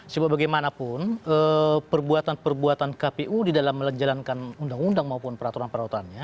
sebagaimanapun perbuatan perbuatan kpu di dalam menjalankan undang undang maupun peraturan peraturan